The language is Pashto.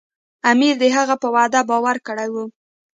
امیر د هغه په وعده باور کړی و.